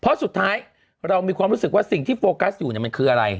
เพราะสุดท้ายเรามีความรู้สึกว่าสิ่งที่โฟกัสอยู่มันคืออะไร